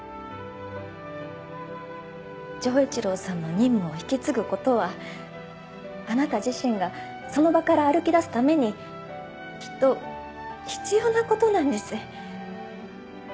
丈一郎さんの任務を引き継ぐことはあなた自身がその場から歩き出すためにきっと必要なことなんです。